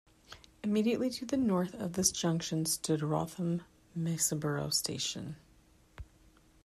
Immediately to the north of this junction stood Rotherham Masborough station.